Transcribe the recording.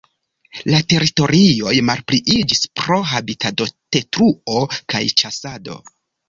La teritorioj malpliiĝis pro habitatodetruo kaj ĉasado.